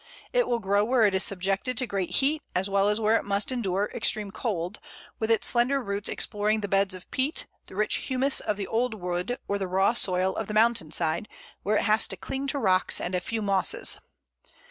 It will grow where it is subjected to great heat, as well as where it must endure extreme cold, with its slender roots exploring the beds of peat, the rich humus of the old wood, or the raw soil of the mountain side, where it has to cling to rocks and a few mosses.